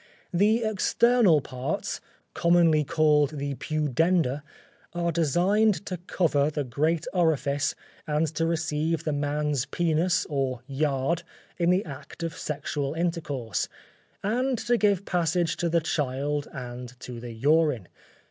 _ The external parts, commonly called the pudenda, are designed to cover the great orifice and to receive the man's penis or yard in the act of sexual intercourse, and to give passage to the child and to the urine.